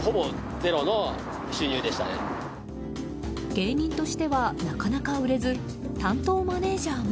芸人としてはなかなか売れず担当マネジャーも。